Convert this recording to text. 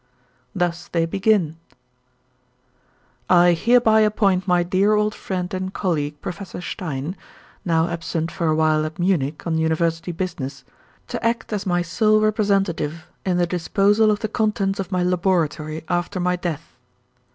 "Thus they begin: "'I hereby appoint my dear old friend and colleague, Professor Stein now absent for a while at Munich, on University business to act as my sole representative in the disposal of the contents of my laboratory, after my death.